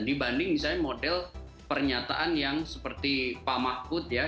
dibanding misalnya model pernyataan yang seperti pak mahfud ya